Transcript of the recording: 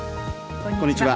こんにちは。